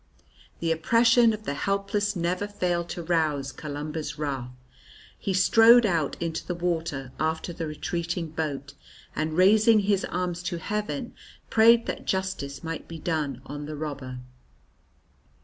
The oppression of the helpless never failed to rouse Columba's wrath. He strode out into the water after the retreating boat, and, raising his arms to heaven, prayed that justice might be done on the robber.